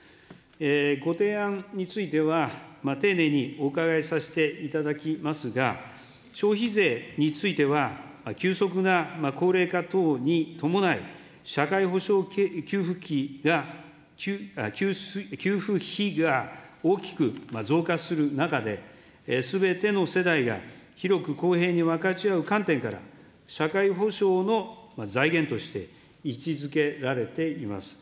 ご提案については、丁寧にお伺いさせていただきますが、消費税については、急速な高齢化等に伴い、社会保障給付費が大きく増加する中で、すべての世代が広く公平に分かち合う観点から、社会保障の財源として位置づけられています。